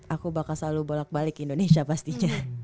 aku bakal selalu bolak balik ke indonesia pastinya